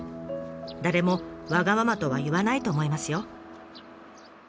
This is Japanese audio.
誰もわがままとは言わないと思いますよ。